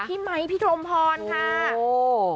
พี่ไมค์พี่กรมพรค่ะ